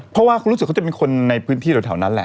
เพราะว่าเขารู้สึกเขาจะเป็นคนในพื้นที่แถวนั้นแหละ